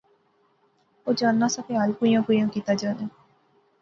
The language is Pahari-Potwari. او جاننا سا کہ ہل کوئیاں کوئیاں کیتا جانا